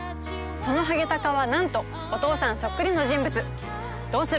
そのハゲタカはなんとお父さんそっくりの人物どうする？